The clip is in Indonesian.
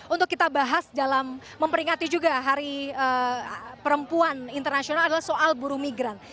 untuk kita bahas dalam memperingati juga hari perempuan internasional adalah soal buru migran